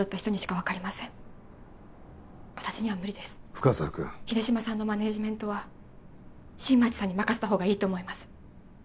深沢君秀島さんのマネージメントは新町さんに任せたほうがいいと思います